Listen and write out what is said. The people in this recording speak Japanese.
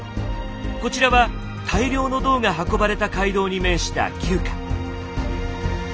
こちらは大量の銅が運ばれた街道に面した旧家。